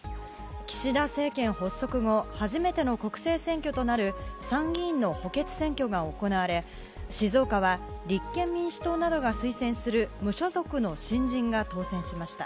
岸田政権発足後初めての国政選挙となる参議院の補欠選挙が行われ静岡は立憲民主党などが推薦する無所属の新人が当選しました。